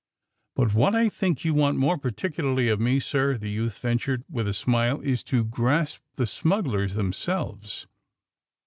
'' ^^But what I think you want more particularly of me, sir," the youth ventured, with a smile, ^4s to grasp the smugglers themselves.